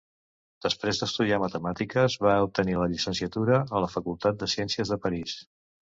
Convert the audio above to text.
Després d'estudiar matemàtiques, va obtenir la llicenciatura a la facultat de Ciències de Paris.